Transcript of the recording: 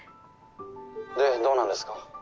でどうなんですか？